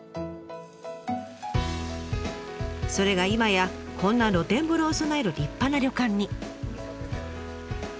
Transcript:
それが今やこんな露天風呂を備える立派な旅館に。